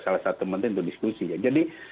salah satu menteri untuk diskusi ya jadi